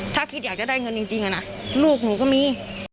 ถ้าคิดอยากจะได้เงินจริงลูกหนูก็มี